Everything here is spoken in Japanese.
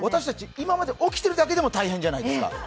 起きているだけで大変じゃないですか。